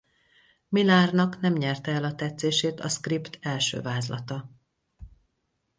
Millarnak nem nyerte el a tetszését a szkript első vázlata.